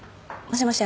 もしもし。